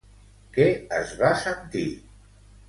Què es va sentir?